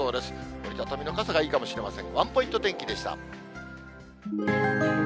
折り畳みの傘がいいかもしれません。